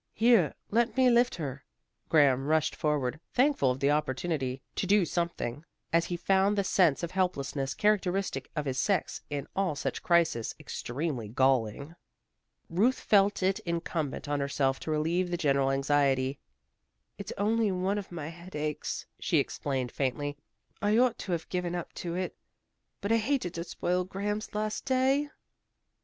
"Here, let me lift her." Graham rushed forward, thankful for the opportunity to do something, as he found the sense of helplessness characteristic of his sex in all such crises extremely galling. Ruth felt it incumbent on herself to relieve the general anxiety. "It's only one of my headaches," she explained faintly. "I ought to have given up to it. But I hated to spoil Graham's last day."